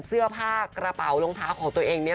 เสื้อผ้ากระเป๋าลงเท้าของตัวเอง